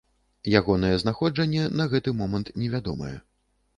Ягонае знаходжанне на гэты момант невядомае.